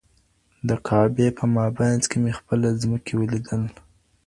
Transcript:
د کعبې په مابينځ کي مي خپله مځکي ولیدل.